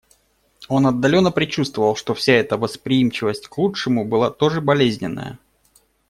Он отдаленно предчувствовал, что вся эта восприимчивость к лучшему была тоже болезненная.